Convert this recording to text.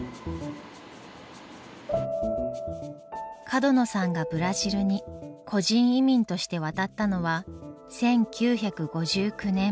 角野さんがブラジルに個人移民として渡ったのは１９５９年。